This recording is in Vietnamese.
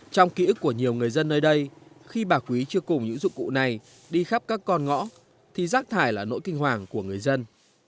trong ký ức của nhiều người dân nơi đây khi bà quý chưa cùng những dụng cụ này đi khắp các con ngõ thì rác thải là nỗi kinh hoàng của người dân